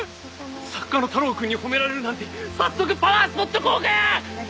作家の太郎くんに褒められるなんて早速パワースポット効果や！